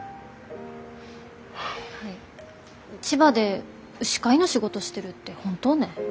千葉で牛飼いの仕事してるって本当ね？